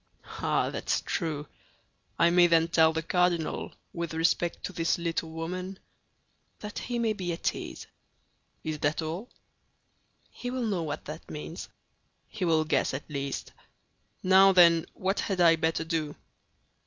"Ah, that's true! I may then tell the cardinal, with respect to this little woman—" "That he may be at ease." "Is that all?" "He will know what that means." "He will guess, at least. Now, then, what had I better do?"